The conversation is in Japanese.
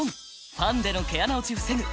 ファンデの毛穴落ち防ぐ！